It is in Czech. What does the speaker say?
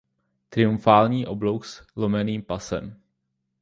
Triumfální oblouk byl s lomeným pásem.